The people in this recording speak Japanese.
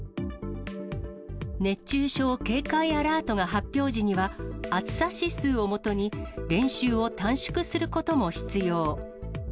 熱中症警戒アラートが発表時には、暑さ指数をもとに練習を短縮することも必要。